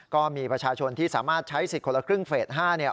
ก็มีประชาชนที่สามารถใช้สิทธิ์คนละครึ่งเฟส๕เนี่ย